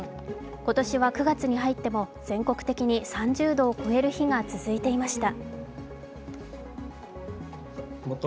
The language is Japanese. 今年は９月に入っても全国的に３０度を超える日が続いていました。